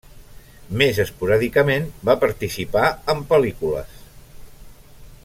Més esporàdicament va participar en pel·lícules.